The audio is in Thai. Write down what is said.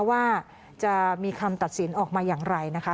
ว่าจะมีคำตัดสินออกมาอย่างไรนะคะ